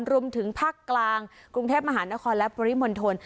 รวมถึงภาคกลางกรุงเทพมหานครและปริมณฑล